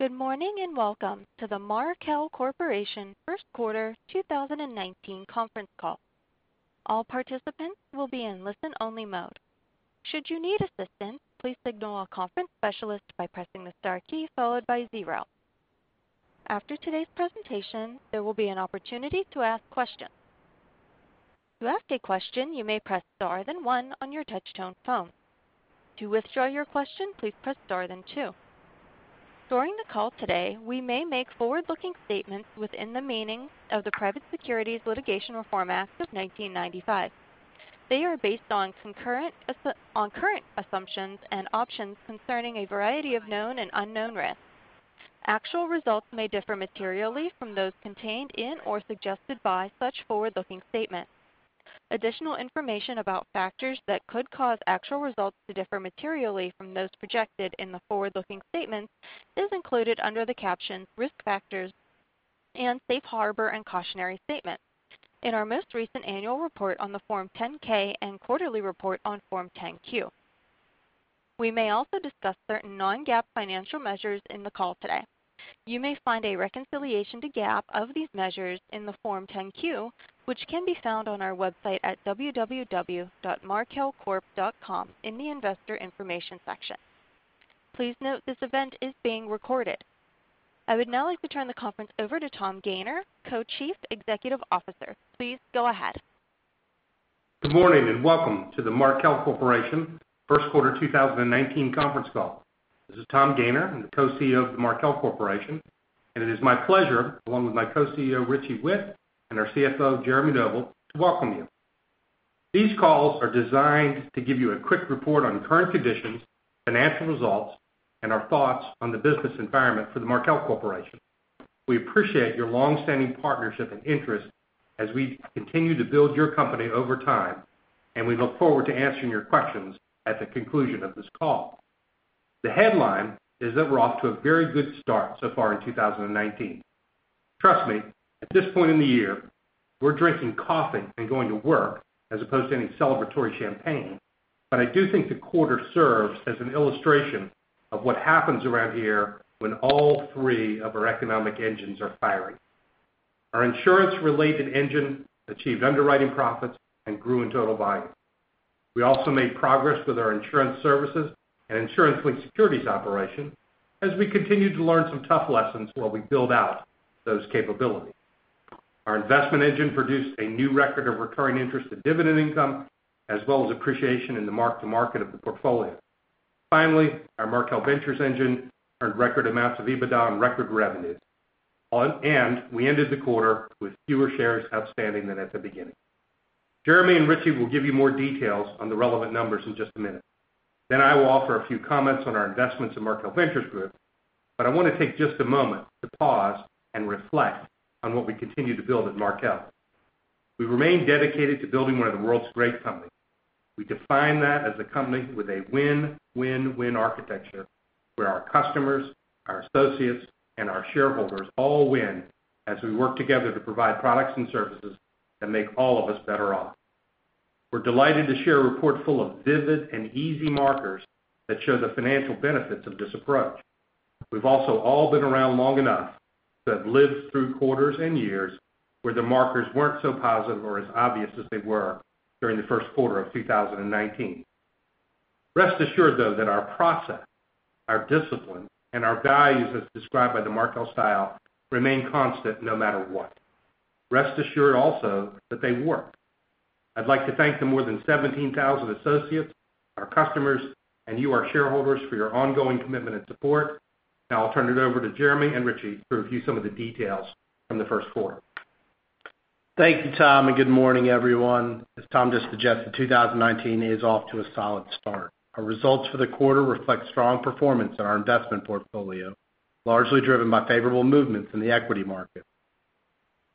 Good morning, and welcome to the Markel Corporation first quarter 2019 conference call. All participants will be in listen-only mode. Should you need assistance, please signal a conference specialist by pressing the star key followed by 0. After today's presentation, there will be an opportunity to ask questions. To ask a question, you may press star then 1 on your touch tone phone. To withdraw your question, please press star then 2. During the call today, we may make forward-looking statements within the meaning of the Private Securities Litigation Reform Act of 1995. They are based on current assumptions and opinions concerning a variety of known and unknown risks. Actual results may differ materially from those contained in or suggested by such forward-looking statements. Additional information about factors that could cause actual results to differ materially from those projected in the forward-looking statements is included under the caption "Risk Factors" and "Safe Harbor and Cautionary Statement" in our most recent annual report on the form 10-K and quarterly report on form 10-Q. We may also discuss certain non-GAAP financial measures in the call today. You may find a reconciliation to GAAP of these measures in the form 10-Q, which can be found on our website at www.markelcorp.com in the investor information section. Please note this event is being recorded. I would now like to turn the conference over to Tom Gayner, Co-Chief Executive Officer. Please go ahead. Good morning, and welcome to the Markel Corporation first quarter 2019 conference call. This is Tom Gayner, I'm the Co-CEO of the Markel Corporation. It is my pleasure, along with my Co-CEO, Richie Whitt, and our CFO, Jeremy Noble, to welcome you. These calls are designed to give you a quick report on current conditions, financial results, and our thoughts on the business environment for the Markel Corporation. We appreciate your longstanding partnership and interest as we continue to build your company over time. We look forward to answering your questions at the conclusion of this call. The headline is that we're off to a very good start so far in 2019. Trust me, at this point in the year, we're drinking coffee and going to work as opposed to any celebratory champagne. I do think the quarter serves as an illustration of what happens around here when all three of our economic engines are firing. Our insurance-related engine achieved underwriting profits and grew in total volume. We also made progress with our insurance services and Insurance-Linked Securities operation as we continued to learn some tough lessons while we build out those capabilities. Our investment engine produced a new record of recurring interest and dividend income, as well as appreciation in the mark-to-market of the portfolio. Finally, our Markel Ventures engine earned record amounts of EBITDA on record revenues. We ended the quarter with fewer shares outstanding than at the beginning. Jeremy and Richie will give you more details on the relevant numbers in just a minute. I will offer a few comments on our investments in Markel Ventures Group, but I want to take just a moment to pause and reflect on what we continue to build at Markel. We remain dedicated to building one of the world's great companies. We define that as a company with a win-win-win architecture, where our customers, our associates, and our shareholders all win as we work together to provide products and services that make all of us better off. We're delighted to share a report full of vivid and easy markers that show the financial benefits of this approach. We've also all been around long enough to have lived through quarters and years where the markers weren't so positive or as obvious as they were during the first quarter of 2019. Rest assured, though, that our process, our discipline, and our values as described by the Markel Style remain constant no matter what. Rest assured also that they work. I'd like to thank the more than 17,000 associates, our customers, and you, our shareholders, for your ongoing commitment and support. I'll turn it over to Jeremy and Richie to review some of the details from the first quarter. Thank you, Tom, and good morning, everyone. As Tom just suggested, 2019 is off to a solid start. Our results for the quarter reflect strong performance in our investment portfolio, largely driven by favorable movements in the equity market.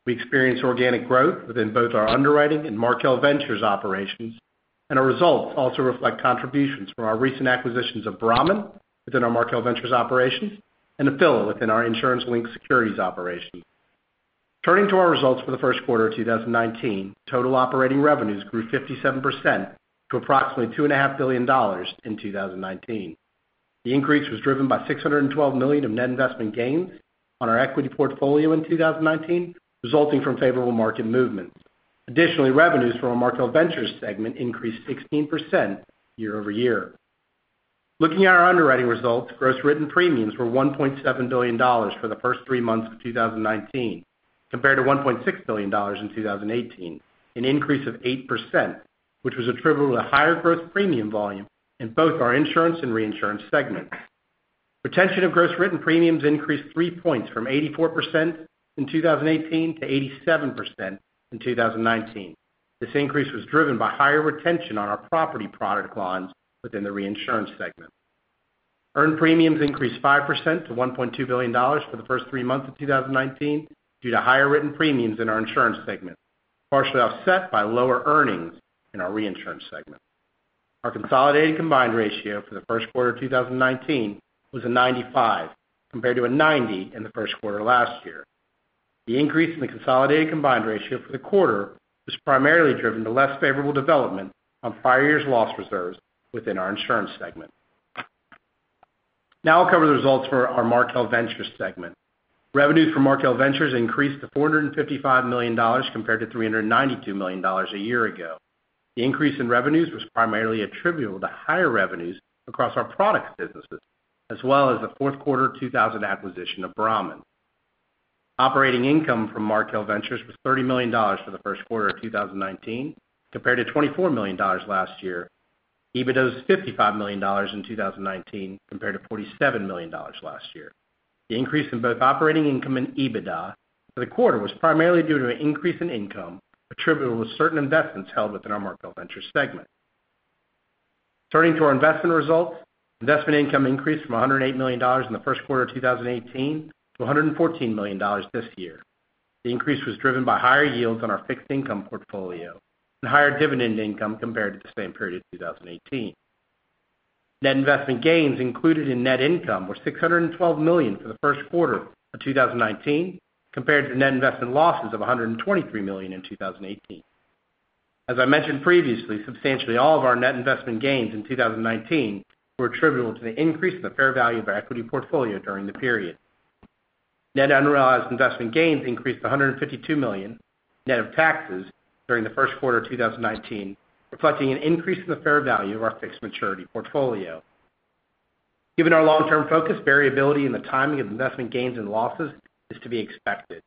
We experienced organic growth within both our underwriting and Markel Ventures operations, and our results also reflect contributions from our recent acquisitions of Brahmin within our Markel Ventures operations and Nephila within our Insurance-Linked Securities operation. Turning to our results for the first quarter of 2019, total operating revenues grew 57% to approximately $2.5 billion in 2019. The increase was driven by $612 million of net investment gains on our equity portfolio in 2019, resulting from favorable market movements. Revenues from our Markel Ventures segment increased 16% year-over-year. Looking at our underwriting results, gross written premiums were $1.7 billion for the first three months of 2019, compared to $1.6 billion in 2018, an increase of 8%, which was attributable to higher gross premium volume in both our insurance and reinsurance segments. Retention of gross written premiums increased 3 points from 84% in 2018 to 87% in 2019. This increase was driven by higher retention on our property product lines within the reinsurance segment. Earned premiums increased 5% to $1.2 billion for the first three months of 2019 due to higher written premiums in our insurance segment, partially offset by lower earnings in our reinsurance segment. Our consolidated combined ratio for the first quarter of 2019 was 95%, compared to 90% in the first quarter last year. The increase in the consolidated combined ratio for the quarter was primarily driven to less favorable development on prior year's loss reserves within our insurance segment. I'll cover the results for our Markel Ventures segment. Revenues for Markel Ventures increased to $455 million compared to $392 million a year ago. The increase in revenues was primarily attributable to higher revenues across our products businesses, as well as the fourth quarter 2000 acquisition of Brahmin. Operating income from Markel Ventures was $30 million for the first quarter of 2019, compared to $24 million last year. EBITDA was $55 million in 2019, compared to $47 million last year. The increase in both operating income and EBITDA for the quarter was primarily due to an increase in income attributable to certain investments held within our Markel Ventures segment. Turning to our investment results, investment income increased from $108 million in the first quarter of 2018 to $114 million this year. The increase was driven by higher yields on our fixed income portfolio and higher dividend income compared to the same period in 2018. Net investment gains included in net income were $612 million for the first quarter of 2019, compared to net investment losses of $123 million in 2018. As I mentioned previously, substantially all of our net investment gains in 2019 were attributable to the increase in the fair value of our equity portfolio during the period. Net unrealized investment gains increased to $152 million, net of taxes, during the first quarter of 2019, reflecting an increase in the fair value of our fixed maturity portfolio. Given our long-term focus, variability in the timing of investment gains and losses is to be expected.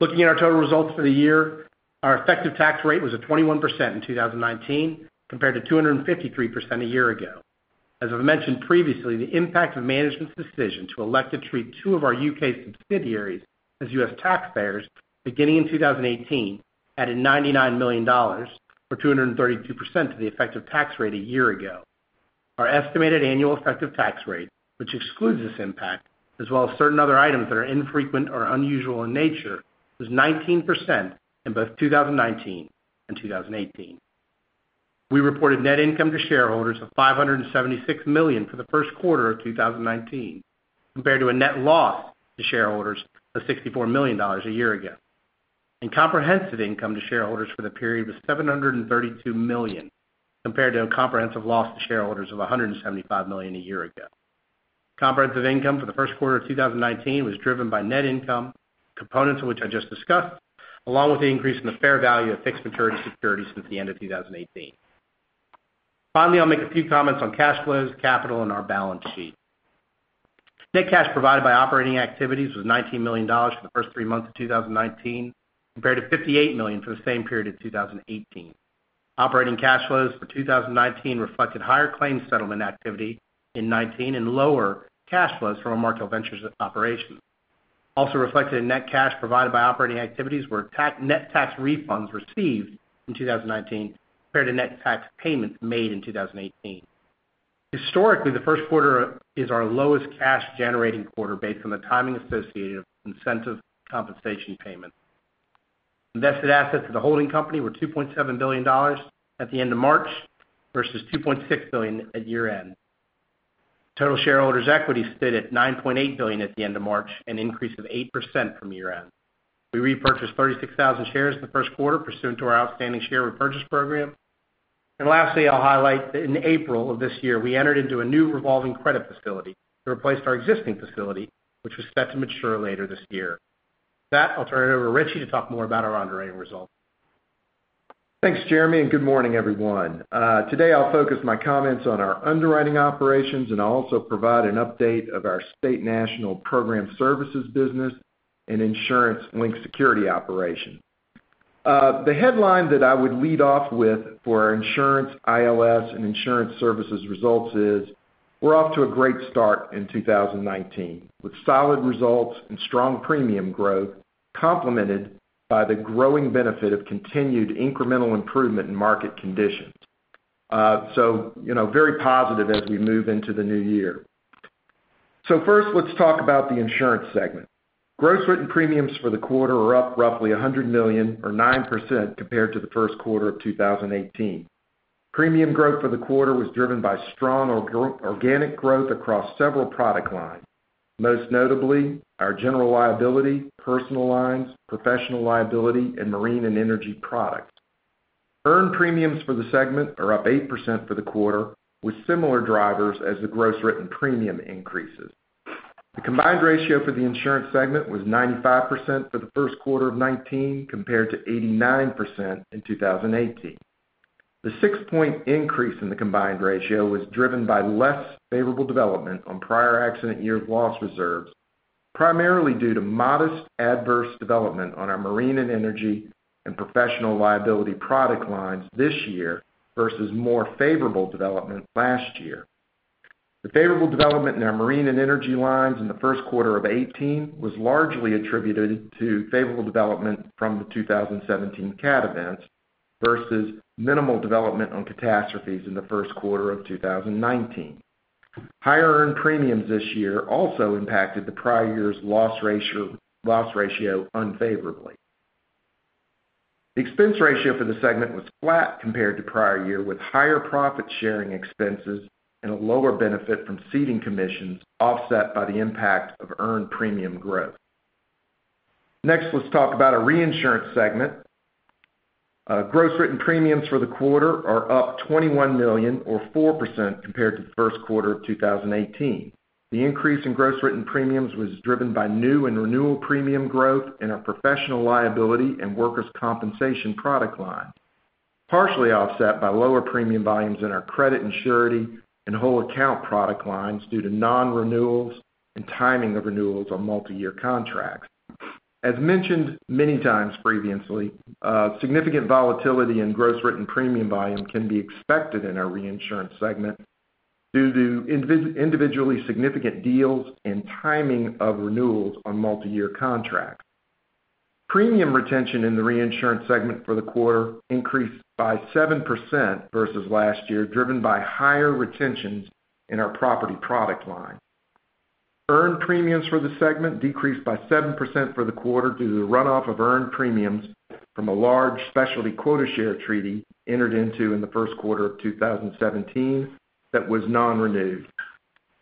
Looking at our total results for the year, our effective tax rate was at 21% in 2019, compared to 253% a year ago. As I've mentioned previously, the impact of management's decision to elect to treat two of our U.K. subsidiaries as U.S. taxpayers beginning in 2018 added $99 million, or 232%, to the effective tax rate a year ago. Our estimated annual effective tax rate, which excludes this impact, as well as certain other items that are infrequent or unusual in nature, was 19% in both 2019 and 2018. We reported net income to shareholders of $576 million for the first quarter of 2019, compared to a net loss to shareholders of $64 million a year ago. Comprehensive income to shareholders for the period was $732 million, compared to a comprehensive loss to shareholders of $175 million a year ago. Comprehensive income for the first quarter of 2019 was driven by net income, components of which I just discussed, along with the increase in the fair value of fixed maturity securities since the end of 2018. I'll make a few comments on cash flows, capital, and our balance sheet. Net cash provided by operating activities was $19 million for the first three months of 2019, compared to $58 million for the same period in 2018. Operating cash flows for 2019 reflected higher claims settlement activity in 2019 and lower cash flows from our Markel Ventures operations. Also reflected in net cash provided by operating activities were net tax refunds received in 2019, compared to net tax payments made in 2018. Historically, the first quarter is our lowest cash-generating quarter based on the timing associated with incentive compensation payments. Invested assets of the holding company were $2.7 billion at the end of March versus $2.6 billion at year-end. Total shareholders' equity stood at $9.8 billion at the end of March, an increase of 8% from year-end. We repurchased 36,000 shares in the first quarter pursuant to our outstanding share repurchase program. Lastly, I'll highlight that in April of this year, we entered into a new revolving credit facility to replace our existing facility, which was set to mature later this year. With that, I'll turn it over to Richie to talk more about our underwriting results. Thanks, Jeremy, and good morning, everyone. Today I'll focus my comments on our underwriting operations, and I'll also provide an update of our State National Program Services business and insurance-linked security operation. The headline that I would lead off with for our insurance, ILS, and insurance services results is we're off to a great start in 2019, with solid results and strong premium growth complemented by the growing benefit of continued incremental improvement in market conditions. Very positive as we move into the new year. First, let's talk about the insurance segment. Gross written premiums for the quarter are up roughly $100 million or 9% compared to the first quarter of 2018. Premium growth for the quarter was driven by strong organic growth across several product lines, most notably our general liability, personal lines, professional liability, and marine and energy products. Earned premiums for the segment are up 8% for the quarter, with similar drivers as the gross written premium increases. The combined ratio for the insurance segment was 95% for the first quarter of 2019, compared to 89% in 2018. The six-point increase in the combined ratio was driven by less favorable development on prior accident year loss reserves, primarily due to modest adverse development on our marine and energy and professional liability product lines this year versus more favorable development last year. The favorable development in our marine and energy lines in the first quarter of 2018 was largely attributed to favorable development from the 2017 cat events versus minimal development on catastrophes in the first quarter of 2019. Higher earned premiums this year also impacted the prior year's loss ratio unfavorably. The expense ratio for the segment was flat compared to prior year, with higher profit-sharing expenses and a lower benefit from ceding commissions offset by the impact of earned premium growth. Next, let's talk about our reinsurance segment. Gross written premiums for the quarter are up $21 million, or 4%, compared to the first quarter of 2018. The increase in gross written premiums was driven by new and renewal premium growth in our professional liability and workers' compensation product line, partially offset by lower premium volumes in our credit and surety and whole account product lines due to non-renewals and timing of renewals on multi-year contracts. As mentioned many times previously, significant volatility in gross written premium volume can be expected in our reinsurance segment due to individually significant deals and timing of renewals on multi-year contracts. Premium retention in the reinsurance segment for the quarter increased by 7% versus last year, driven by higher retentions in our property product line. Earned premiums for the segment decreased by 7% for the quarter due to the runoff of earned premiums from a large specialty quota share treaty entered into in the first quarter of 2017 that was non-renewed.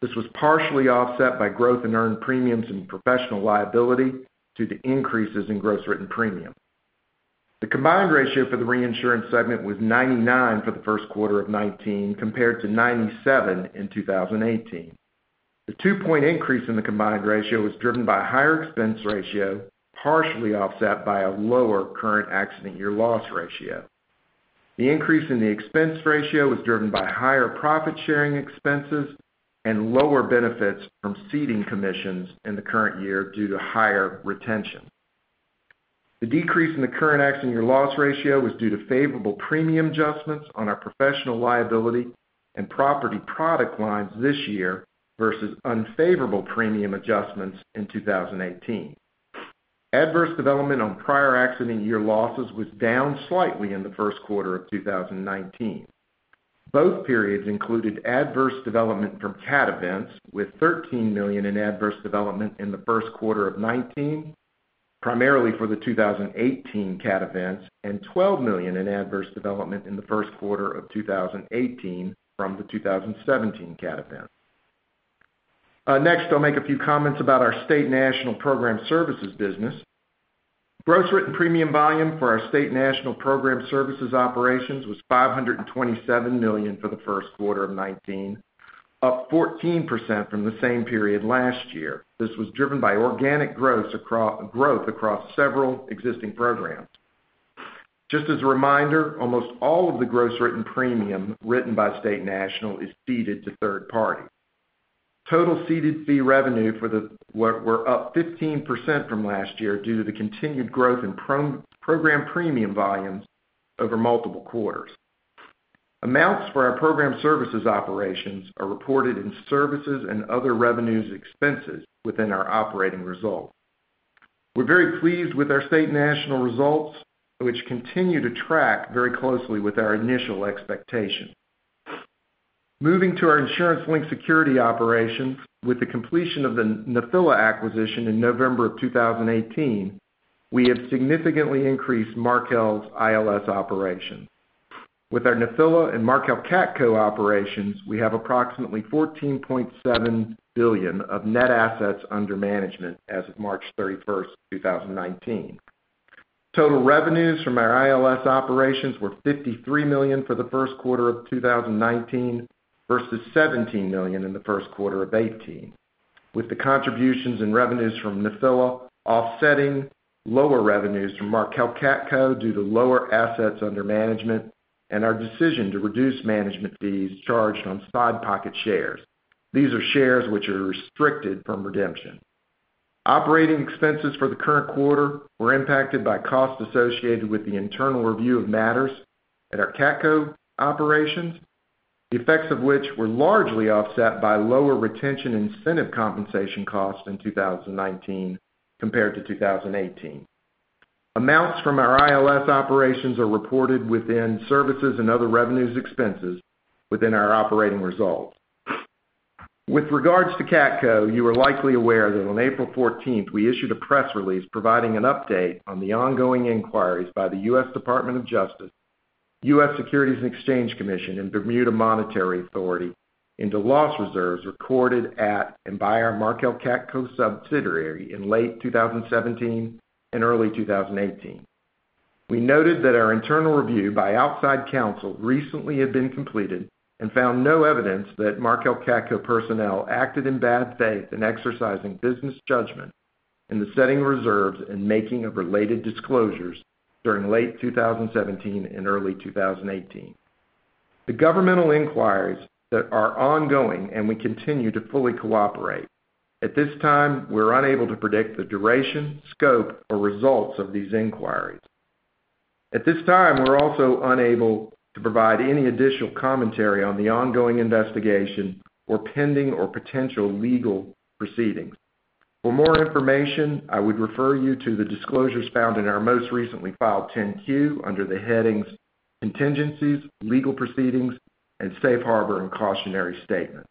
This was partially offset by growth in earned premiums in professional liability due to increases in gross written premium. The combined ratio for the reinsurance segment was 99 for the first quarter of 2019, compared to 97 in 2018. The two-point increase in the combined ratio was driven by a higher expense ratio, partially offset by a lower current accident year loss ratio. The increase in the expense ratio was driven by higher profit-sharing expenses and lower benefits from ceding commissions in the current year due to higher retention. The decrease in the current accident year loss ratio was due to favorable premium adjustments on our professional liability and property product lines this year versus unfavorable premium adjustments in 2018. Adverse development on prior accident year losses was down slightly in the first quarter of 2019. Both periods included adverse development from cat events, with $13 million in adverse development in the first quarter of 2019, primarily for the 2018 cat events, and $12 million in adverse development in the first quarter of 2018 from the 2017 cat events. I'll make a few comments about our State National Program Services business. Gross written premium volume for our State National Program Services operations was $527 million for the first quarter of 2019, up 14% from the same period last year. This was driven by organic growth across several existing programs. Just as a reminder, almost all of the gross written premium written by State National is ceded to third parties. Total ceded fee revenue were up 15% from last year due to the continued growth in program premium volumes over multiple quarters. Amounts for our program services operations are reported in services and other revenues expenses within our operating results. We're very pleased with our State National results, which continue to track very closely with our initial expectations. Moving to our Insurance-Linked Securities operations, with the completion of the Nephila acquisition in November of 2018, we have significantly increased Markel's ILS operations. With our Nephila and Markel CATCo operations, we have approximately $14.7 billion of net assets under management as of March 31st, 2019. Total revenues from our ILS operations were $53 million for the first quarter of 2019 versus $17 million in the first quarter of 2018, with the contributions in revenues from Nephila offsetting lower revenues from Markel CATCo due to lower assets under management and our decision to reduce management fees charged on side pocket shares. These are shares which are restricted from redemption. Operating expenses for the current quarter were impacted by costs associated with the internal review of matters at our CATCo operations, the effects of which were largely offset by lower retention incentive compensation costs in 2019 compared to 2018. Amounts from our ILS operations are reported within services and other revenues expenses within our operating results. With regards to Markel CATCo, you are likely aware that on April 14th, we issued a press release providing an update on the ongoing inquiries by the U.S. Department of Justice, U.S. Securities and Exchange Commission, and Bermuda Monetary Authority into loss reserves recorded at and by our Markel CATCo subsidiary in late 2017 and early 2018. We noted that our internal review by outside counsel recently had been completed and found no evidence that Markel CATCo personnel acted in bad faith in exercising business judgment in the setting of reserves and making of related disclosures during late 2017 and early 2018. The governmental inquiries are ongoing, and we continue to fully cooperate. At this time, we're unable to predict the duration, scope, or results of these inquiries. At this time, we're also unable to provide any additional commentary on the ongoing investigation or pending or potential legal proceedings. For more information, I would refer you to the disclosures found in our most recently filed 10-Q under the headings Contingencies, Legal Proceedings, and Safe Harbor and Cautionary Statement.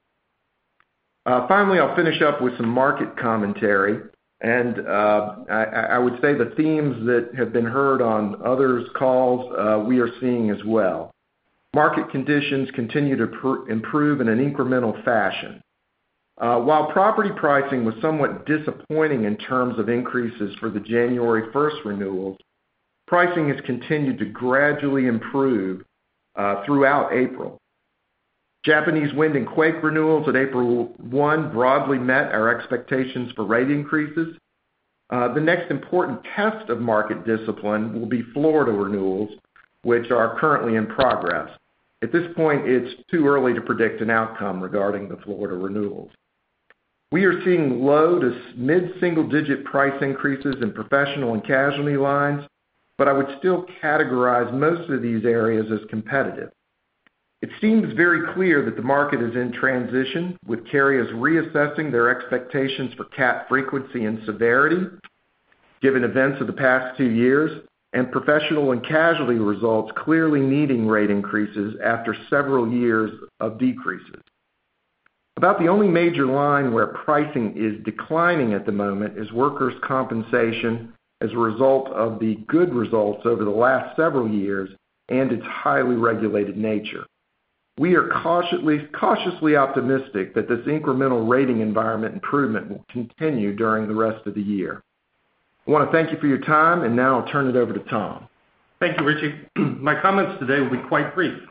Finally, I'll finish up with some market commentary. I would say the themes that have been heard on others' calls, we are seeing as well. Market conditions continue to improve in an incremental fashion. While property pricing was somewhat disappointing in terms of increases for the January 1st renewals, pricing has continued to gradually improve throughout April. Japanese wind and quake renewals on April 1 broadly met our expectations for rate increases. The next important test of market discipline will be Florida renewals, which are currently in progress. At this point, it's too early to predict an outcome regarding the Florida renewals. We are seeing low to mid-single-digit price increases in professional and casualty lines, but I would still categorize most of these areas as competitive. It seems very clear that the market is in transition, with carriers reassessing their expectations for cat frequency and severity given events of the past two years, and professional and casualty results clearly needing rate increases after several years of decreases. About the only major line where pricing is declining at the moment is workers' compensation as a result of the good results over the last several years and its highly regulated nature. We are cautiously optimistic that this incremental rating environment improvement will continue during the rest of the year. I want to thank you for your time. Now I'll turn it over to Tom. Thank you, Richie. My comments today will be quite brief.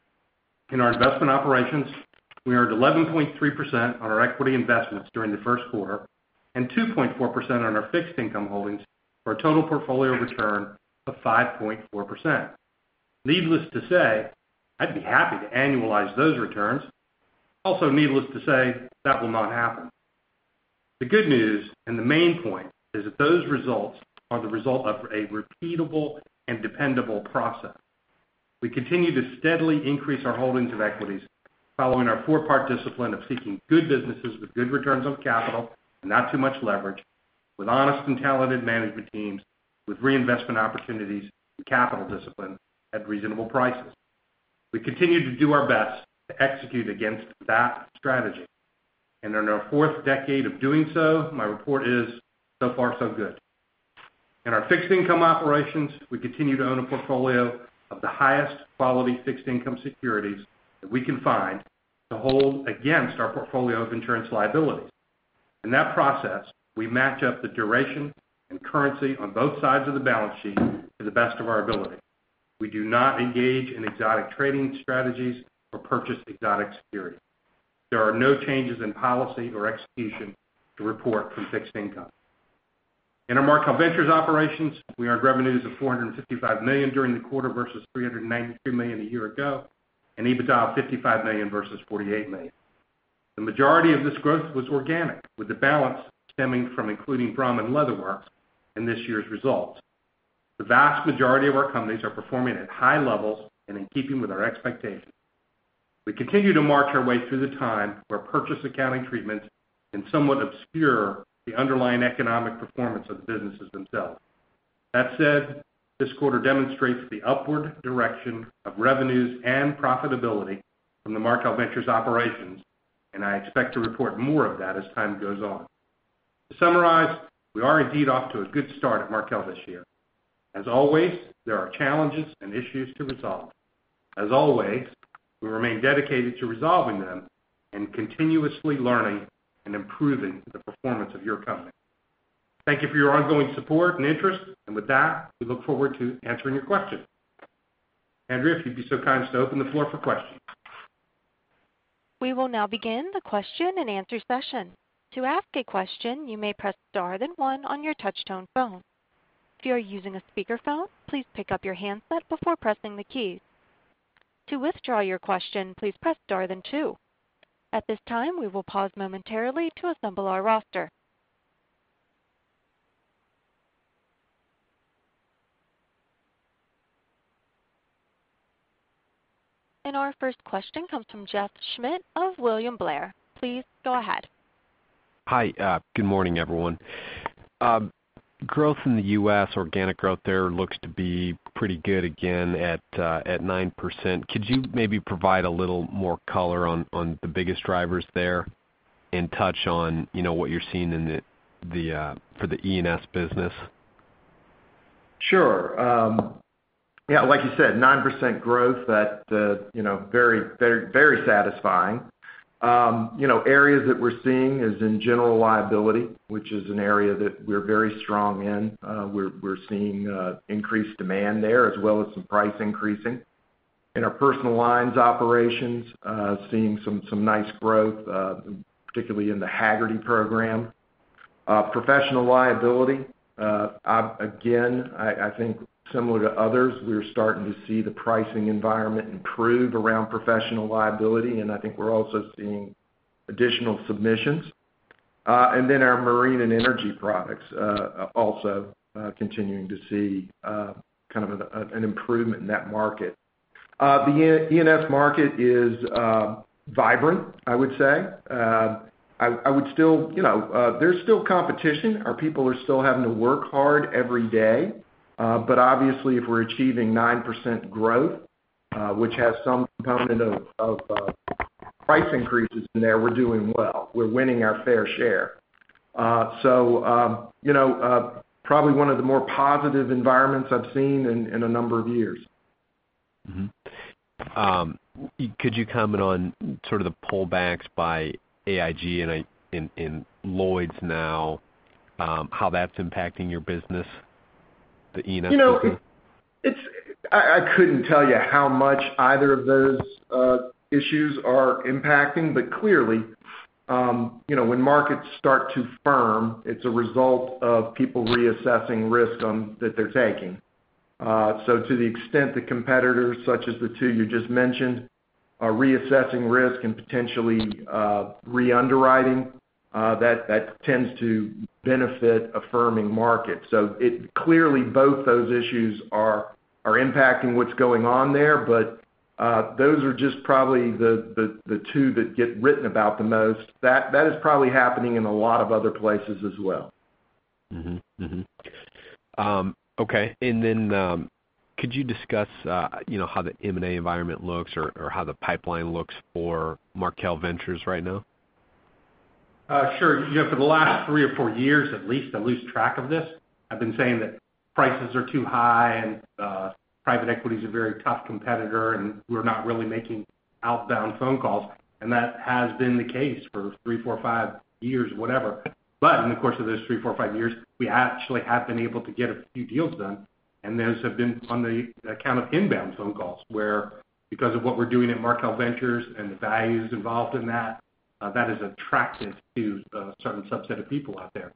In our investment operations, we earned 11.3% on our equity investments during the first quarter and 2.4% on our fixed income holdings for a total portfolio return of 5.4%. Needless to say, I'd be happy to annualize those returns. Also needless to say, that will not happen. The good news, and the main point, is that those results are the result of a repeatable and dependable process. We continue to steadily increase our holdings of equities, following our four-part discipline of seeking good businesses with good returns on capital and not too much leverage, with honest and talented management teams, with reinvestment opportunities and capital discipline at reasonable prices. We continue to do our best to execute against that strategy. In our fourth decade of doing so, my report is, so far so good. In our fixed income operations, we continue to own a portfolio of the highest quality fixed income securities that we can find to hold against our portfolio of insurance liabilities. In that process, we match up the duration and currency on both sides of the balance sheet to the best of our ability. We do not engage in exotic trading strategies or purchase exotic securities. There are no changes in policy or execution to report from fixed income. In our Markel Ventures operations, we earned revenues of $455 million during the quarter versus $393 million a year ago, and EBITDA of $55 million versus $48 million. The majority of this growth was organic, with the balance stemming from including Brahmin Leather Works in this year's results. The vast majority of our companies are performing at high levels and in keeping with our expectations. We continue to march our way through the time where purchase accounting treatments can somewhat obscure the underlying economic performance of the businesses themselves. That said, this quarter demonstrates the upward direction of revenues and profitability from the Markel Ventures operations, I expect to report more of that as time goes on. To summarize, we are indeed off to a good start at Markel this year. As always, there are challenges and issues to resolve. As always, we remain dedicated to resolving them and continuously learning and improving the performance of your company. Thank you for your ongoing support and interest. With that, we look forward to answering your questions. Andrea, if you'd be so kind as to open the floor for questions. We will now begin the question and answer session. To ask a question, you may press star then one on your touch tone phone. If you are using a speakerphone, please pick up your handset before pressing the keys. To withdraw your question, please press star then two. At this time, we will pause momentarily to assemble our roster. Our first question comes from Jeff Schmitt of William Blair. Please go ahead. Hi. Good morning, everyone. Growth in the U.S., organic growth there looks to be pretty good again at 9%. Could you maybe provide a little more color on the biggest drivers there and touch on what you're seeing for the E&S business? Sure. Yeah, like you said, 9% growth, that's very satisfying. Areas that we're seeing is in general liability, which is an area that we're very strong in. We're seeing increased demand there, as well as some price increasing. In our personal lines operations, seeing some nice growth, particularly in the Hagerty program. Professional liability, again, I think similar to others, we're starting to see the pricing environment improve around professional liability, and I think we're also seeing additional submissions. Then our marine and energy products also continuing to see an improvement in that market. The E&S market is vibrant, I would say. There's still competition. Our people are still having to work hard every day. Obviously if we're achieving 9% growth Which has some component of price increases in there, we're doing well. We're winning our fair share. Probably one of the more positive environments I've seen in a number of years. Could you comment on sort of the pullbacks by AIG and Lloyd's now, how that's impacting your business, the E&S? I couldn't tell you how much either of those issues are impacting. Clearly, when markets start to firm, it's a result of people reassessing risk that they're taking. To the extent that competitors, such as the two you just mentioned, are reassessing risk and potentially re-underwriting, that tends to benefit a firming market. Clearly both those issues are impacting what's going on there, but those are just probably the two that get written about the most. That is probably happening in a lot of other places as well. Okay. Then could you discuss how the M&A environment looks or how the pipeline looks for Markel Ventures right now? Sure. For the last three or four years at least, I lose track of this, I've been saying that prices are too high and private equity is a very tough competitor, we're not really making outbound phone calls. That has been the case for three, four, five years, whatever. In the course of those three, four, five years, we actually have been able to get a few deals done, and those have been on the account of inbound phone calls, where because of what we're doing at Markel Ventures and the values involved in that is attractive to a certain subset of people out there.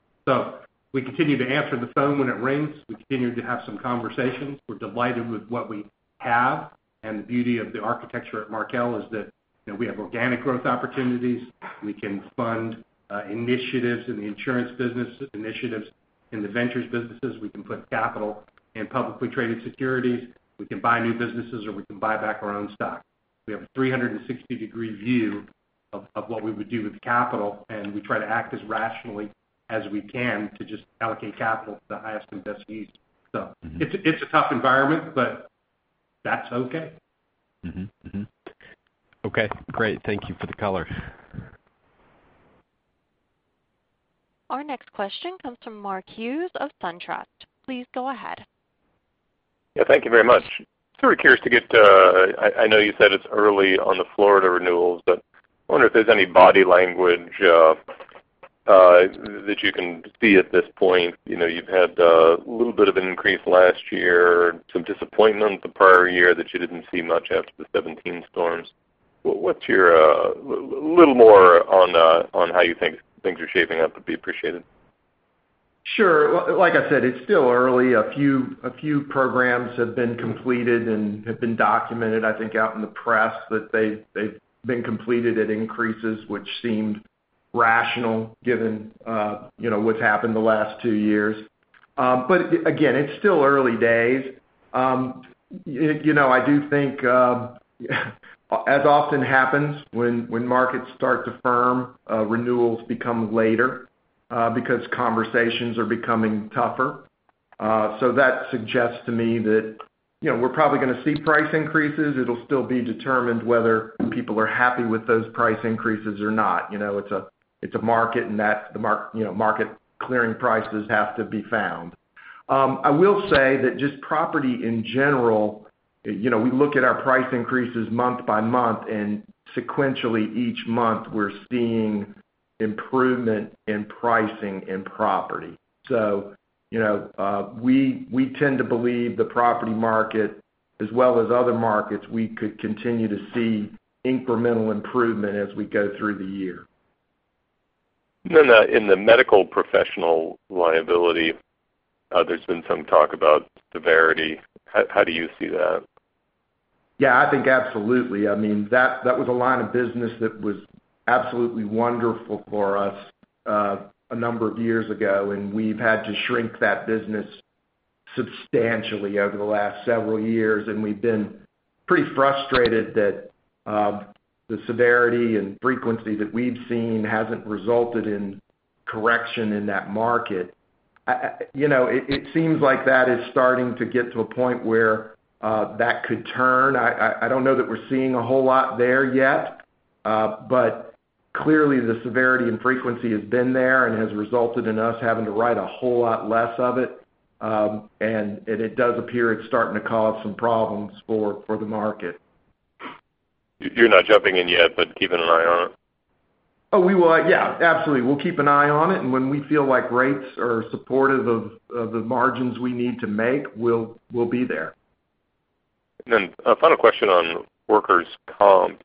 We continue to answer the phone when it rings. We continue to have some conversations. We're delighted with what we have, and the beauty of the architecture at Markel is that we have organic growth opportunities. We can fund initiatives in the insurance business, initiatives in the Ventures businesses. We can put capital in publicly traded securities. We can buy new businesses, or we can buy back our own stock. We have a 360-degree view of what we would do with capital, and we try to act as rationally as we can to just allocate capital to the highest and best use. It's a tough environment, that's okay. Okay, great. Thank you for the color. Our next question comes from Mark Hughes of SunTrust. Please go ahead. Yeah, thank you very much. Sort of curious. I know you said it's early on the Florida renewals. I wonder if there's any body language that you can see at this point. You've had a little bit of an increase last year and some disappointment the prior year that you didn't see much after the 2017 storms. A little more on how you think things are shaping up would be appreciated. Sure. Like I said, it's still early. A few programs have been completed and have been documented, I think, out in the press that they've been completed at increases which seemed rational given what's happened the last two years. Again, it's still early days. I do think as often happens when markets start to firm, renewals become later because conversations are becoming tougher. That suggests to me that we're probably going to see price increases. It'll still be determined whether people are happy with those price increases or not. It's a market and market clearing prices have to be found. I will say that just property in general, we look at our price increases month by month, and sequentially, each month we're seeing improvement in pricing in property. We tend to believe the property market as well as other markets, we could continue to see incremental improvement as we go through the year. In the medical professional liability, there's been some talk about the severity. How do you see that? Yeah, I think absolutely. That was a line of business that was absolutely wonderful for us a number of years ago. We've had to shrink that business substantially over the last several years. We've been pretty frustrated that the severity and frequency that we've seen hasn't resulted in correction in that market. It seems like that is starting to get to a point where that could turn. I don't know that we're seeing a whole lot there yet. Clearly the severity and frequency has been there and has resulted in us having to write a whole lot less of it. It does appear it's starting to cause some problems for the market. You're not jumping in yet, but keeping an eye on it? Oh, we will. Yeah, absolutely. We'll keep an eye on it. When we feel like rates are supportive of the margins we need to make, we'll be there. A final question on workers' comp.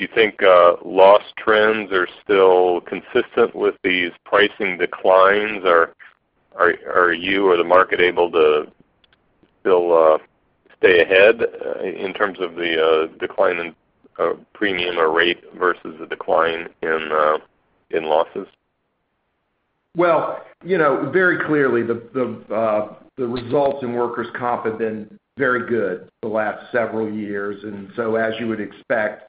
Do you think loss trends are still consistent with these pricing declines? Are you or the market able to still stay ahead in terms of the decline in premium or rate versus the decline in losses? Well, very clearly the results in workers' comp have been very good the last several years. As you would expect,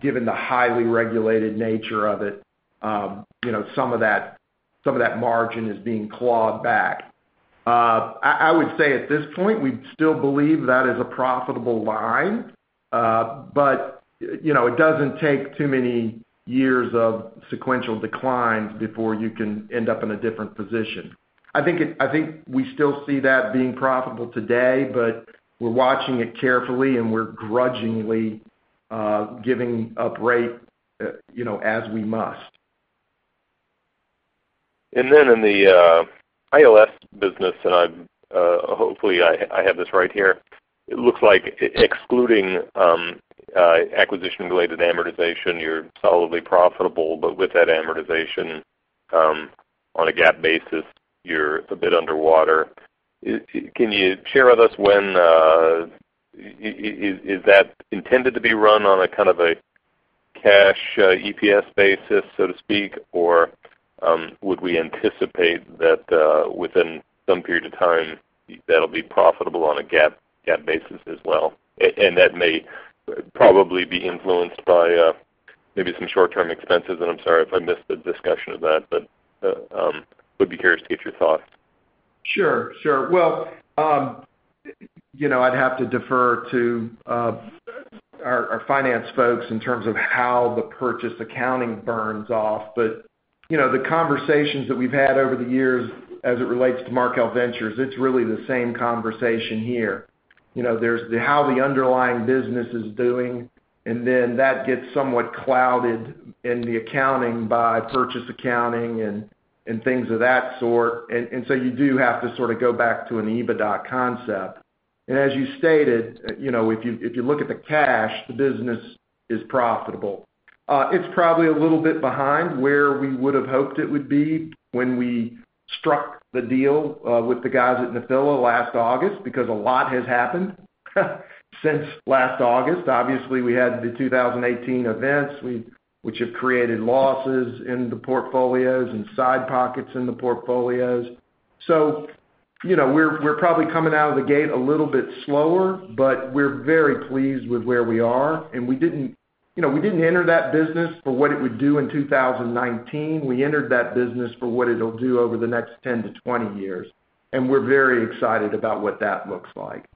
given the highly regulated nature of it, some of that Some of that margin is being clawed back. I would say at this point, we still believe that is a profitable line. It doesn't take too many years of sequential declines before you can end up in a different position. I think we still see that being profitable today, but we're watching it carefully, and we're grudgingly giving up rate as we must. In the ILS business, hopefully I have this right here. It looks like excluding acquisition-related amortization, you're solidly profitable, but with that amortization, on a GAAP basis, you're a bit underwater. Can you share with us, is that intended to be run on a kind of a cash EPS basis, so to speak, or would we anticipate that within some period of time, that'll be profitable on a GAAP basis as well? That may probably be influenced by maybe some short-term expenses, and I'm sorry if I missed the discussion of that, but would be curious to get your thoughts. Sure. Well, I'd have to defer to our finance folks in terms of how the purchase accounting burns off. The conversations that we've had over the years as it relates to Markel Ventures, it's really the same conversation here. There's how the underlying business is doing, and then that gets somewhat clouded in the accounting by purchase accounting and things of that sort. You do have to sort of go back to an EBITDA concept. As you stated, if you look at the cash, the business is profitable. It's probably a little bit behind where we would've hoped it would be when we struck the deal with the guys at Nephila last August, because a lot has happened since last August. Obviously, we had the 2018 events, which have created losses in the portfolios and side pockets in the portfolios. We're probably coming out of the gate a little bit slower, but we're very pleased with where we are, and we didn't enter that business for what it would do in 2019. We entered that business for what it'll do over the next 10 to 20 years, and we're very excited about what that looks like.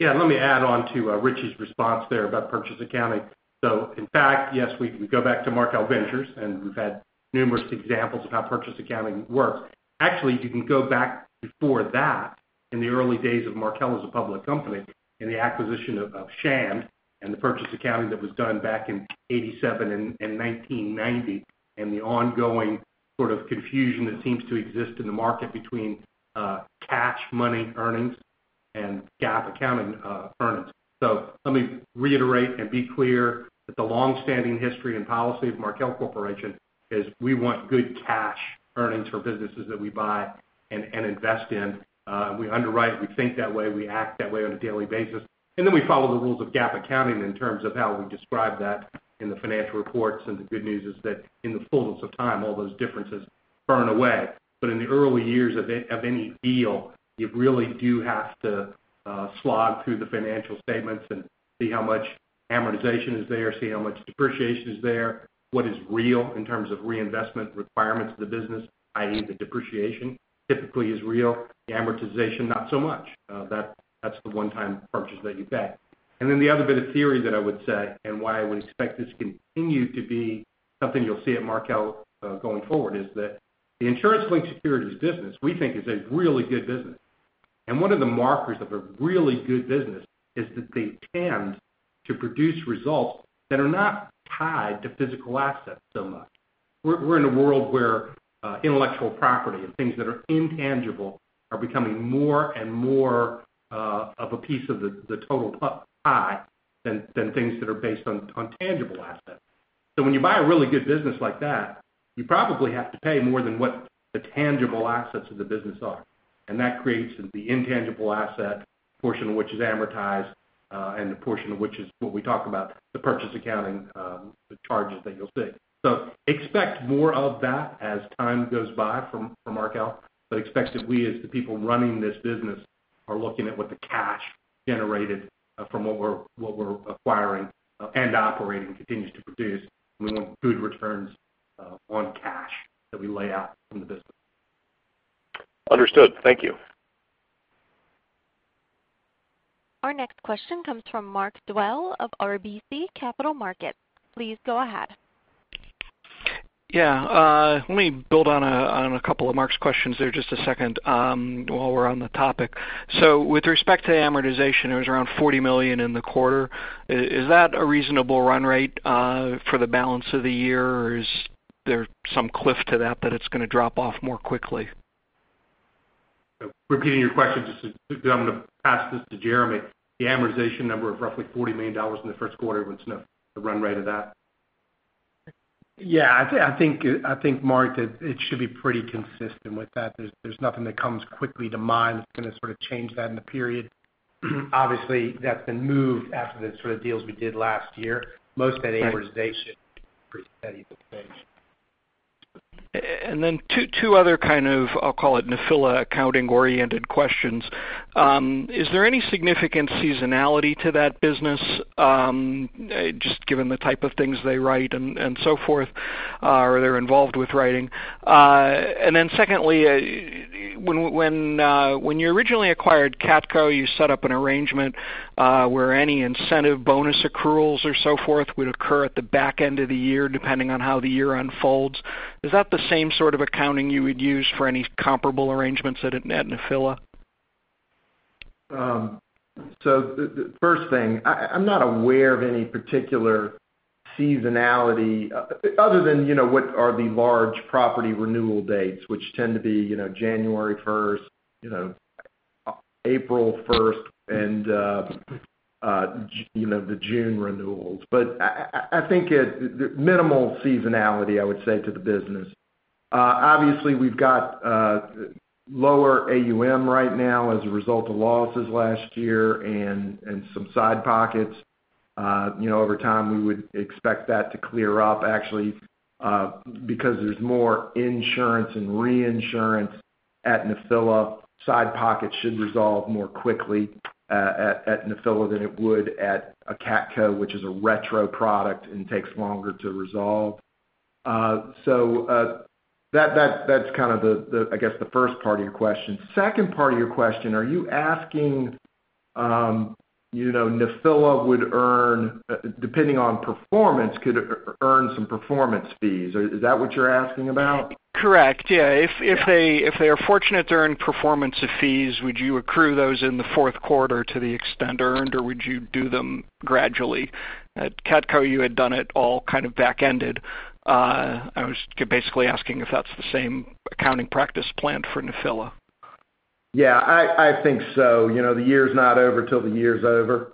Yeah, let me add on to Rich's response there about purchase accounting. In fact, yes, we go back to Markel Ventures, and we've had numerous examples of how purchase accounting works. Actually, you can go back before that, in the early days of Markel as a public company in the acquisition of Shand, and the purchase accounting that was done back in 1987 and 1990, and the ongoing sort of confusion that seems to exist in the market between cash money earnings and GAAP accounting earnings. Let me reiterate and be clear that the longstanding history and policy of Markel Corporation is we want good cash earnings for businesses that we buy and invest in. We underwrite, we think that way, we act that way on a daily basis. We follow the rules of GAAP accounting in terms of how we describe that in the financial reports, and the good news is that in the fullness of time, all those differences burn away. In the early years of any deal, you really do have to slog through the financial statements and see how much amortization is there, see how much depreciation is there, what is real in terms of reinvestment requirements of the business, i.e., the depreciation typically is real. The amortization, not so much. That's the one-time purchase that you pay. The other bit of theory that I would say, and why I would expect this to continue to be something you'll see at Markel, going forward, is that the Insurance-Linked Securities business, we think is a really good business. One of the markers of a really good business is that they tend to produce results that are not tied to physical assets so much. We're in a world where intellectual property and things that are intangible are becoming more and more of a piece of the total pie than things that are based on tangible assets. When you buy a really good business like that, you probably have to pay more than what the tangible assets of the business are. That creates the intangible asset portion, which is amortized, and the portion of which is what we talk about the purchase accounting, the charges that you'll see. Expect more of that as time goes by from Markel. Expect that we, as the people running this business, are looking at what the cash generated from what we're acquiring and operating continues to produce, and we want good returns on cash that we lay out from the business. Understood. Thank you. Our next question comes from Mark Dwelle of RBC Capital Markets. Please go ahead. Let me build on a couple of Mark's questions there just a second, while we're on the topic. With respect to amortization, it was around $40 million in the quarter. Is that a reasonable run rate for the balance of the year, or is there some cliff to that it's going to drop off more quickly? Repeating your question just because I'm going to pass this to Jeremy. The amortization number of roughly $40 million in the first quarter, what's the run rate of that? I think, Mark, that it should be pretty consistent with that. There's nothing that comes quickly to mind that's going to sort of change that in the period. That's been moved after the sort of deals we did last year. Most of that amortization should be pretty steady, thanks. Two other kind of, I'll call it Nephila accounting-oriented questions. Is there any significant seasonality to that business, just given the type of things they write and so forth, or they're involved with writing? Secondly. When you originally acquired CATCo, you set up an arrangement where any incentive bonus accruals or so forth would occur at the back end of the year, depending on how the year unfolds. Is that the same sort of accounting you would use for any comparable arrangements at Nephila? The first thing, I'm not aware of any particular seasonality other than what are the large property renewal dates, which tend to be January 1st, April 1st, and the June renewals. I think minimal seasonality, I would say, to the business. Obviously, we've got lower AUM right now as a result of losses last year and some side pockets. Over time, we would expect that to clear up, actually, because there's more insurance and reinsurance at Nephila. Side pockets should resolve more quickly at Nephila than it would at a CATCo, which is a retro product and takes longer to resolve. That's the first part of your question. Second part of your question, are you asking, Nephila would earn, depending on performance, could earn some performance fees. Is that what you're asking about? Correct. Yeah. If they are fortunate to earn performance fees, would you accrue those in the fourth quarter to the extent earned, or would you do them gradually? At CATCo, you had done it all kind of back-ended. I was basically asking if that's the same accounting practice planned for Nephila. Yeah, I think so. The year's not over till the year's over.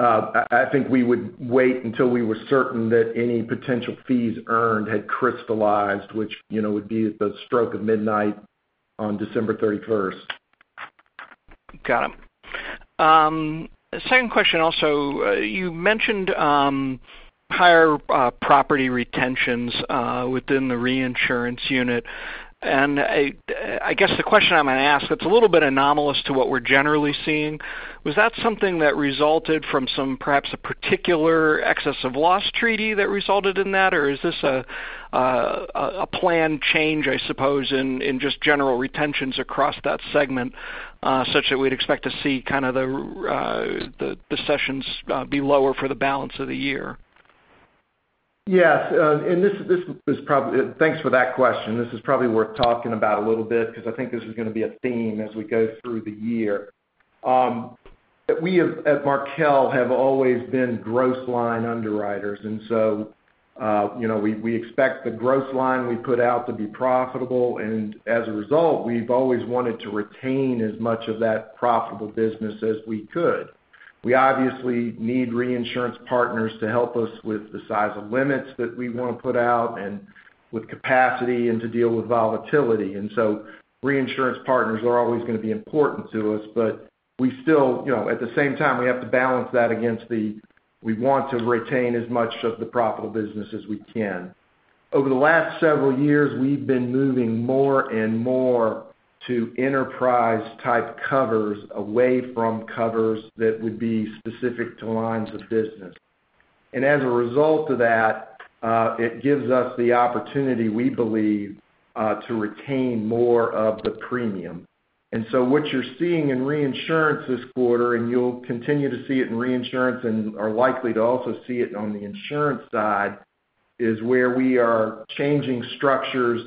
I think we would wait until we were certain that any potential fees earned had crystallized, which would be at the stroke of midnight on December 31st. Got it. Second question also, you mentioned higher property retentions within the reinsurance unit. I guess the question I'm going to ask, that's a little bit anomalous to what we're generally seeing. Was that something that resulted from some, perhaps a particular excess of loss treaty that resulted in that? Or is this a planned change, I suppose, in just general retentions across that segment, such that we'd expect to see the cessions be lower for the balance of the year? Yes. Thanks for that question. This is probably worth talking about a little bit because I think this is going to be a theme as we go through the year. We at Markel have always been gross line underwriters. We expect the gross line we put out to be profitable, and as a result, we've always wanted to retain as much of that profitable business as we could. We obviously need reinsurance partners to help us with the size of limits that we want to put out and with capacity and to deal with volatility. Reinsurance partners are always going to be important to us. At the same time, we have to balance that against the we want to retain as much of the profitable business as we can. Over the last several years, we've been moving more and more to enterprise type covers away from covers that would be specific to lines of business. As a result of that, it gives us the opportunity, we believe, to retain more of the premium. What you're seeing in reinsurance this quarter, and you'll continue to see it in reinsurance and are likely to also see it on the insurance side, is where we are changing structures,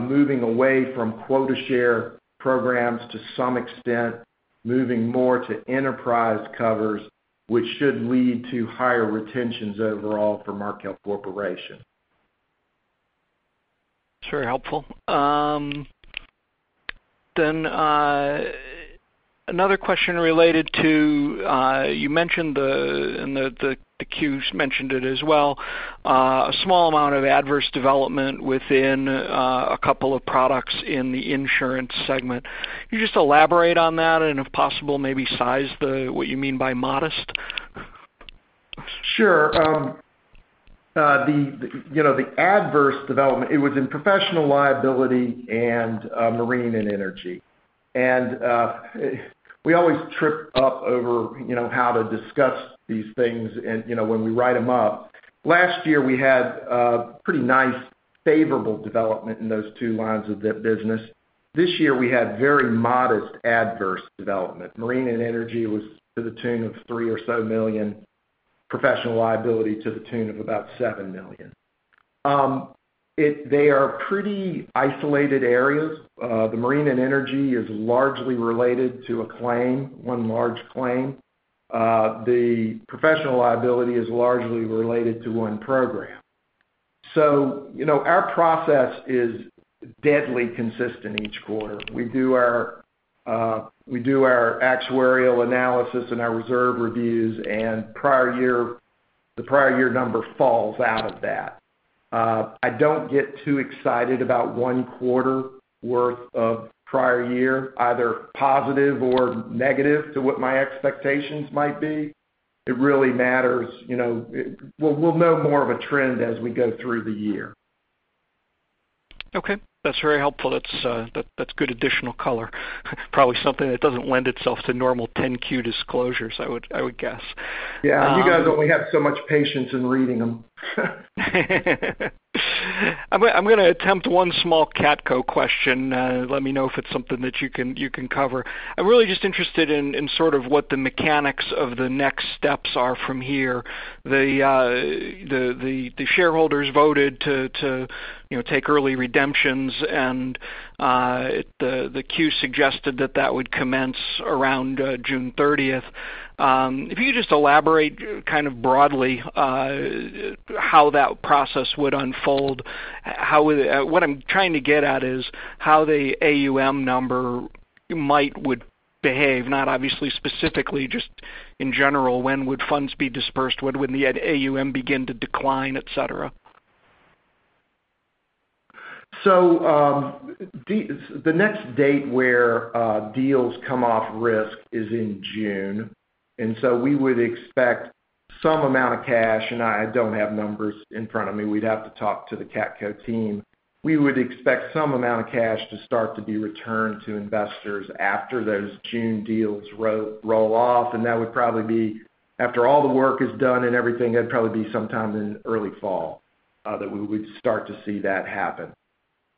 moving away from quota share programs to some extent, moving more to enterprise covers, which should lead to higher retentions overall for Markel Corporation. It's very helpful. Another question related to, you mentioned the, and the 10-Qs mentioned it as well, a small amount of adverse development within a couple of products in the insurance segment. Can you just elaborate on that, and if possible, maybe size what you mean by modest? Sure. The adverse development, it was in professional liability and marine and energy. We always trip up over how to discuss these things and when we write them up. Last year, we had a pretty nice favorable development in those two lines of the business. This year, we had very modest adverse development. Marine and energy was to the tune of $3 or so million, professional liability to the tune of about $7 million. They are pretty isolated areas. The marine and energy is largely related to a claim, one large claim. The professional liability is largely related to one program. Our process is deadly consistent each quarter. We do our actuarial analysis and our reserve reviews, and the prior year number falls out of that. I don't get too excited about one quarter worth of prior year, either positive or negative to what my expectations might be. It really matters. We'll know more of a trend as we go through the year. Okay. That's very helpful. That's good additional color. Probably something that doesn't lend itself to normal 10-Q disclosures, I would guess. Yeah. You guys only have so much patience in reading them. I'm going to attempt one small CATCo question. Let me know if it's something that you can cover. I'm really just interested in sort of what the mechanics of the next steps are from here. The shareholders voted to take early redemptions, and the 10-Q suggested that that would commence around June 30th. If you could just elaborate kind of broadly how that process would unfold. What I'm trying to get at is how the AUM number might would behave, not obviously specifically, just in general, when would funds be dispersed? When would the AUM begin to decline, et cetera? The next date where deals come off risk is in June. We would expect some amount of cash, and I don't have numbers in front of me, we'd have to talk to the CATCo team. We would expect some amount of cash to start to be returned to investors after those June deals roll off, and that would probably be, after all the work is done and everything, that'd probably be sometime in early fall, that we would start to see that happen.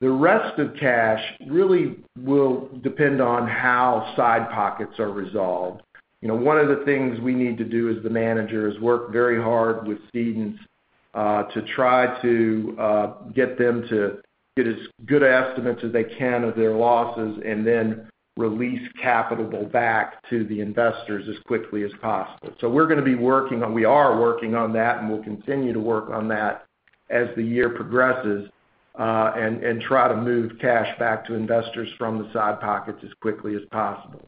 The rest of cash really will depend on how side pockets are resolved. One of the things we need to do as the manager is work very hard with cedents, to try to get them to get as good estimates as they can of their losses and then release capital back to the investors as quickly as possible. We are working on that, and we'll continue to work on that as the year progresses, and try to move cash back to investors from the side pockets as quickly as possible.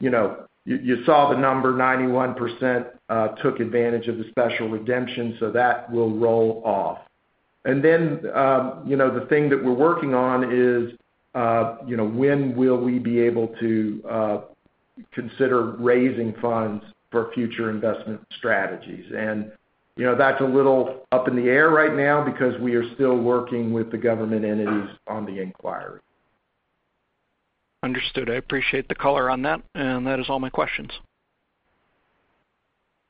You saw the number, 91% took advantage of the special redemption, so that will roll off. The thing that we're working on is when will we be able to consider raising funds for future investment strategies. That's a little up in the air right now because we are still working with the government entities on the inquiry. Understood. I appreciate the color on that. That is all my questions.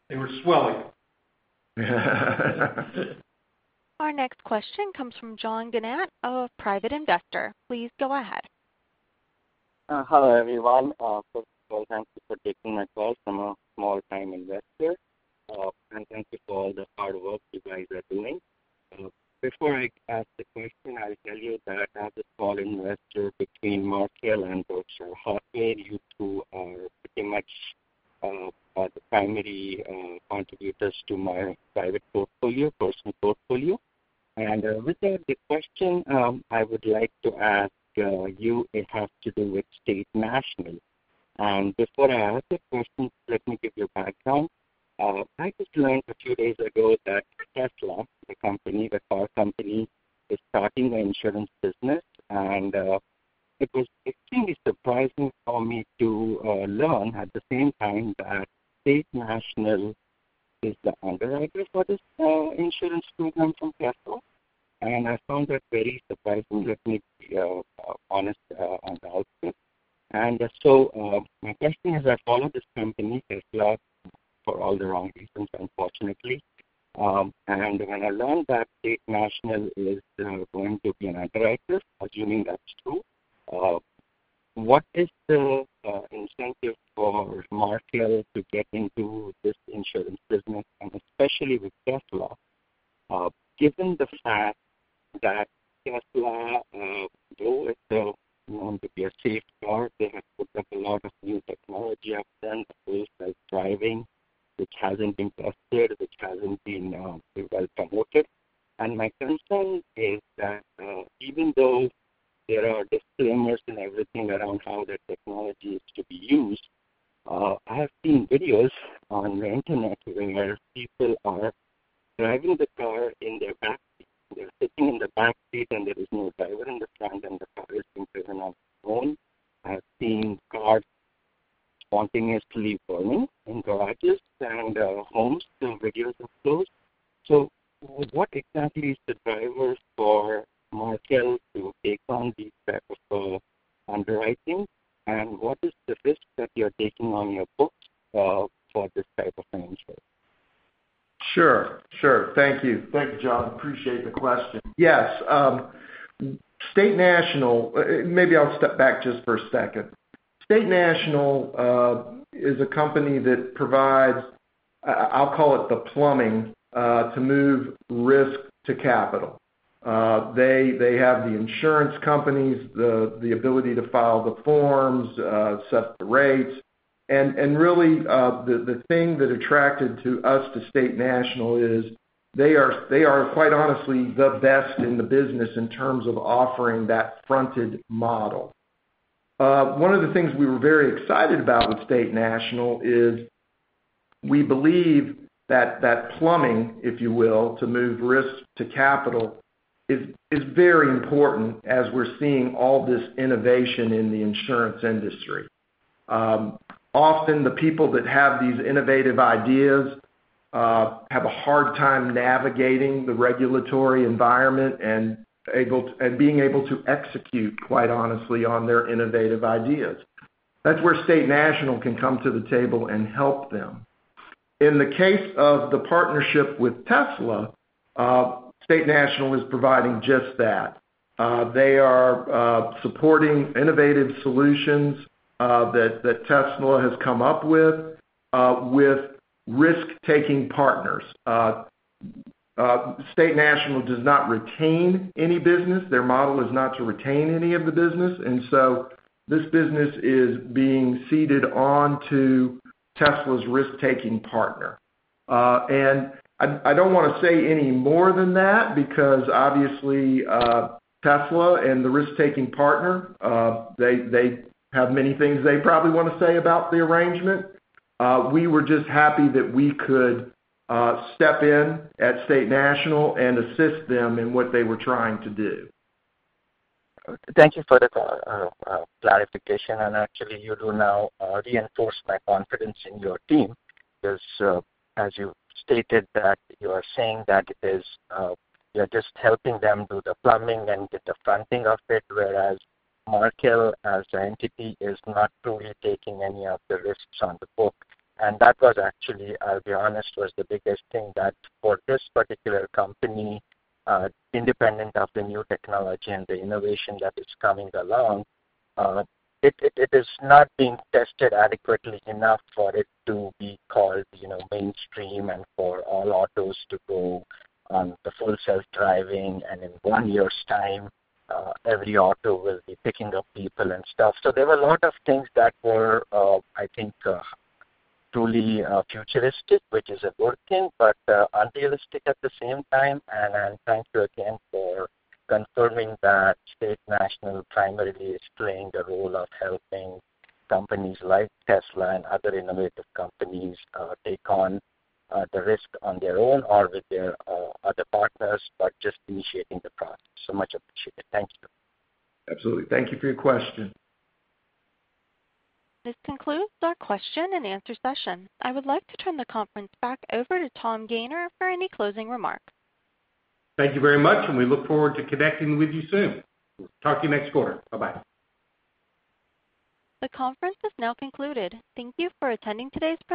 They were swelling. Our next question comes from John Donat of Private Investor. Please go ahead. Hello, everyone. First of all, thank you for taking my call from a small-time investor. Thank you for all the hard work you guys are doing. Before I ask the question, I'll tell you that as a small investor between Markel and Berkshire Hathaway, you two are pretty much the primary contributors to my private portfolio, personal portfolio. With that, the question I would like to ask you, it has to do with State National. Before I ask the question, let me give you background. I just learned a few days ago that Tesla, the car company, is starting an insurance business. It was extremely surprising for me to learn at the same time that State National is the underwriter for this insurance program from Tesla, and I found that very surprising. Let me be honest on the output. My question is, I follow this company, Tesla, for all the wrong reasons, unfortunately. When I learned that State National is going to be an underwriter, assuming that's true, what is the incentive for Markel to get into this insurance business, and especially with Tesla, given the fact that Yes. Maybe I'll step back just for a second. State National is a company that provides, I'll call it the plumbing, to move risk to capital. They have the insurance companies, the ability to file the forms, set the rates, really, the thing that attracted us to State National is they are quite honestly the best in the business in terms of offering that fronted model. One of the things we were very excited about with State National is we believe that that plumbing, if you will, to move risk to capital is very important as we're seeing all this innovation in the insurance industry. Often, the people that have these innovative ideas have a hard time navigating the regulatory environment and being able to execute, quite honestly, on their innovative ideas. That's where State National can come to the table and help them. In the case of the partnership with Tesla, State National is providing just that. They are supporting innovative solutions that Tesla has come up with risk-taking partners. State National does not retain any business. Their model is not to retain any of the business. So this business is being ceded on to Tesla's risk-taking partner. I don't want to say any more than that because obviously, Tesla and the risk-taking partner, they have many things they probably want to say about the arrangement. We were just happy that we could step in at State National and assist them in what they were trying to do. Thank you for the clarification. Actually, you do now reinforce my confidence in your team, because as you stated that you are saying that you're just helping them do the plumbing and get the fronting of it, whereas Markel, as the entity, is not truly taking any of the risks on the book. That was actually, I'll be honest, was the biggest thing that for this particular company, independent of the new technology and the innovation that is coming along, it is not being tested adequately enough for it to be called mainstream and for all autos to go on the full self-driving. In one year's time, every auto will be picking up people and stuff. There were a lot of things that were, I think, truly futuristic, which is a good thing, but unrealistic at the same time. Thank you again for confirming that State National primarily is playing the role of helping companies like Tesla and other innovative companies take on the risk on their own or with their other partners, but just initiating the product. Much appreciated. Thank you. Absolutely. Thank you for your question. This concludes our question and answer session. I would like to turn the conference back over to Tom Gayner for any closing remarks. Thank you very much, and we look forward to connecting with you soon. We'll talk to you next quarter. Bye-bye. The conference has now concluded. Thank you for attending today's presentation.